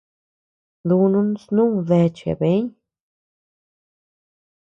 Dunun snu deachea bëeñ.